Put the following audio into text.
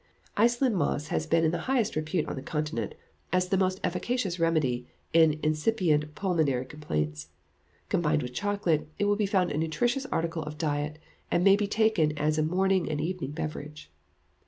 Iceland moss has been in the highest repute on the Continent as the most efficacious remedy in incipient pulmonary complaints; combined with chocolate, it will be found a nutritious article of diet, and may be taken as a morning and evening beverage.